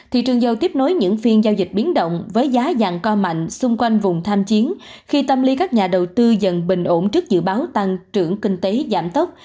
thị trường dầu tiếp nối những phiên giao dịch biến động với giá vàng co mạnh xung quanh vùng tham chiến khi tâm lý các nhà đầu tư dần bình ổn trước dự báo tăng trưởng kinh tế giảm tốc